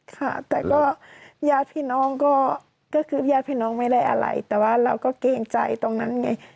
ค่ะแต่ก็ญาติพี่น้องก็คือญาติพี่น้องไม่ได้อะไรแต่ว่าเราก็เกรงใจตรงนั้นไง